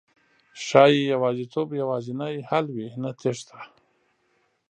ښایي يوازېتوب یوازېنی حل وي، نه تېښته